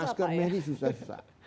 masker medis susah susah